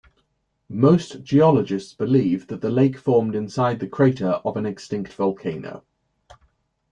Most geologists believe that the lake formed inside the crater of an extinct volcano.